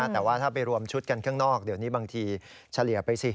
แต่ว่าถ้าไปรวมชุดกันข้างนอกเดี๋ยวนี้บางทีเฉลี่ยไปสิ